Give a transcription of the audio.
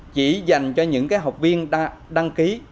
chỉ dành cho những cái học viên đăng ký